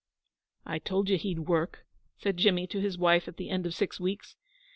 'I told you he'd work,' said Jimmy to his wife at the end of six weeks.